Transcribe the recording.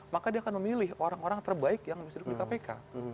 maka dia akan memilih orang orang terbaik yang bisa duduk di kpk